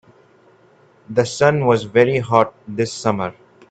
The sun was very hot this summer.